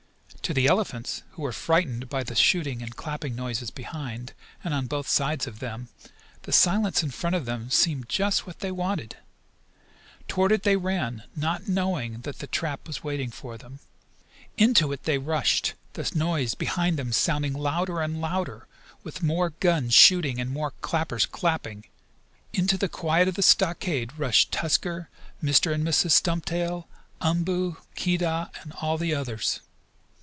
To the elephants, who were frightened by the shooting and clapping noises behind, and on both sides of them, the silence in front of them seemed just what they wanted. Toward it they ran, not knowing that the trap was waiting for them. Into it they rushed, the noise behind them sounding louder and louder now, with more guns shooting and more clappers clapping. Into the quiet of the stockade rushed Tusker, Mr. and Mrs. Stumptail, Umboo, Keedah and all the others.